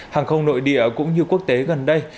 hàng không nội địa cũng như quốc tế gần đây